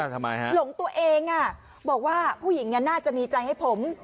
ทำไมฮะหลงตัวเองบอกว่าผู้หญิงน่าจะมีใจให้ผม